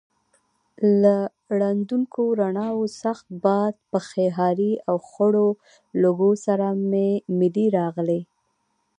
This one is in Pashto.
له ړندونکو رڼاوو، سخت باد، پښې هارې او خړو لوګیو سره ملې راغلې.